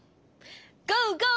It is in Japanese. ゴーゴー！